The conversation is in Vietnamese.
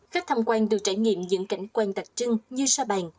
khách tham quan được trải nghiệm những cảnh quan tạc trưng như sa bàn